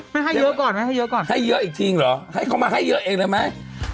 ให้ให้เยอะก่อนไหมให้เยอะก่อนให้เยอะอีกทีเหรอให้เขามาให้เยอะเองเลยไหม